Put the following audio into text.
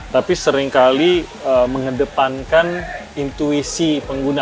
tapi seringkali mengedepankan intuisi pengguna